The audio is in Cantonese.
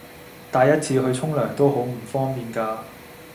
帶一次去沖涼都好唔方便㗎